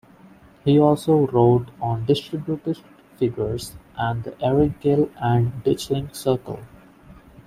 He also wrote on distributist figures and the Eric Gill and Ditchling circle.